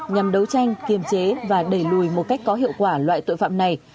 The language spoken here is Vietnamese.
nhằm đấu tranh kiềm chế và đẩy lùi một cách có hiệu quả loại tội phạm này